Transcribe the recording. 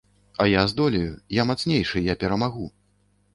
А я здолею, я мацнейшы, я перамагу.